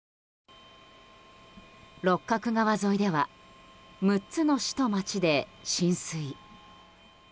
六角川沿いでは６つの市と町で浸水。